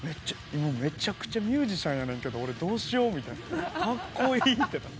めちゃくちゃミュージシャンやねんけど俺どうしよう？カッコイイ」って。